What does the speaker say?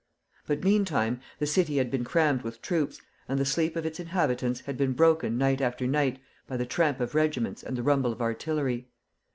But meantime the city had been crammed with troops, and the sleep of its inhabitants had been broken night after night by the tramp of regiments and the rumble of artillery.